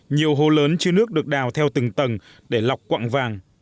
nhiều hồ lớn chứa nước được đào theo từng tầng để lọc quạng vàng